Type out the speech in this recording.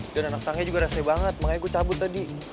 dan anak tetangganya juga resi banget makanya gue cabut tadi